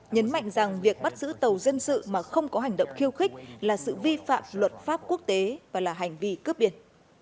nhấn mạnh rằng việc bắt giữ tàu dân sự mà không có hành động khiêu khích là sự vi phạm luật pháp quốc tế và là hành vi cướp biển